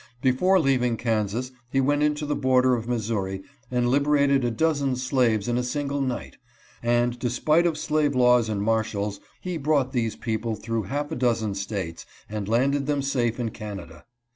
Before leaving Kansas he went into the border of Missouri and liberated a dozen slaves in a single night, and despite of slave laws and marshals he brought these people through half a dozen States and landed them safe in Canada.